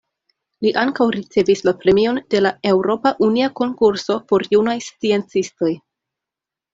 Li ankaŭ ricevis la Premion de la Eŭropa Unia Konkurso por Junaj Sciencistoj.